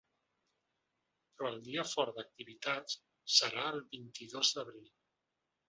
Però el dia fort d’activitats serà el vint-i-dos d’abril.